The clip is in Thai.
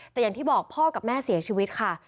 แต่อย่างที่บอกพ่อกับแม่เสียชีวิตค่ะ